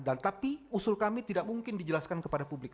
tapi usul kami tidak mungkin dijelaskan kepada publik